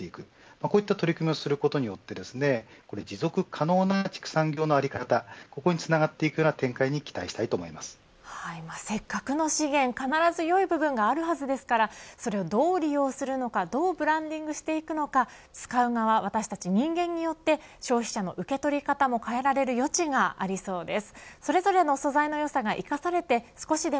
こういった取り組みをすることによって持続可能な畜産業の在り方ここに繋がっていく展開にせっかくの資源必ずよい部分があるはずですからそれをどう利用するのかどうブランディングしていくのか使う側、私たち人間によって消費者の受け取り方も変えられる余地がありそうです。